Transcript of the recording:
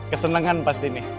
kesenangan pasti nih